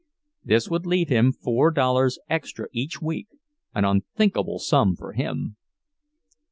This would leave him four dollars extra each week, an unthinkable sum for him.